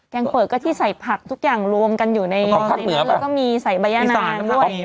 งเปลือกก็ที่ใส่ผักทุกอย่างรวมกันอยู่ในนี้แล้วก็มีใส่ใบย่านางด้วย